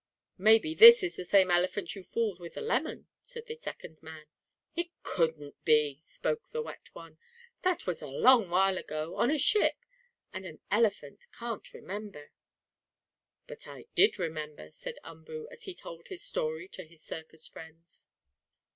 "Maybe this is the same elephant you fooled with the lemon," said the second man. "It couldn't be," spoke the wet one. "That was a long while ago, on a ship, and an elephant can't remember." "But I did remember," said Umboo, as he told his story to his circus friends.